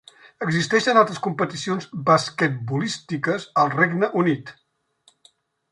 Existeixen altres competicions basquetbolístiques al Regne Unit.